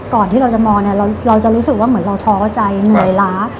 ที่เราจะมองเนี่ยเราจะรู้สึกว่าเหมือนเราท้อใจเหนื่อยล้า